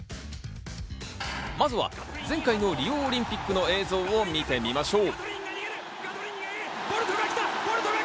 まずは前回のリオオリンピックの映像を見てみましょう。